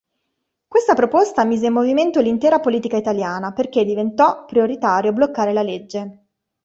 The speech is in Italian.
Questa proposta mise in movimento l'intera politica italiana perché diventò prioritario bloccare la legge.